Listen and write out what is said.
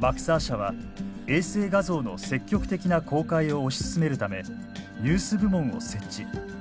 マクサー社は衛星画像の積極的な公開を推し進めるためニュース部門を設置。